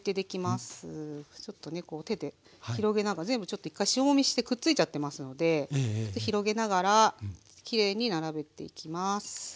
ちょっとねこう手で広げながら全部ちょっと一回塩もみしてくっついちゃってますので広げながらきれいに並べていきます。